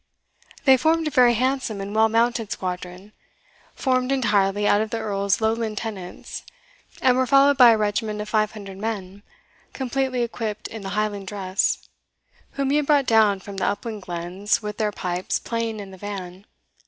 They formed a very handsome and well mounted squadron, formed entirely out of the Earl's Lowland tenants, and were followed by a regiment of five hundred men, completely equipped in the Highland dress, whom he had brought down from the upland glens, with their pipes playing in the van.